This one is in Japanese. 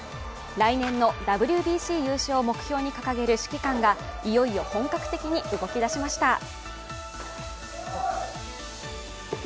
来年のＷＢＣ優勝を目標に掲げる指揮官がいよいよ本格的に動き出しました。